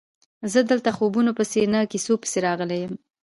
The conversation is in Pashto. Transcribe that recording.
زه دلته خوبونو پسې نه کیسو پسې راغلی یم.